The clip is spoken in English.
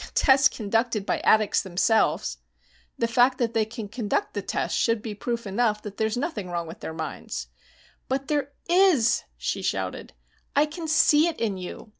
"Tests conducted by addicts themselves!" "The fact that they can conduct the tests should be proof enough that there's nothing wrong with their minds." "But there is!" she shouted. "I can see it in you.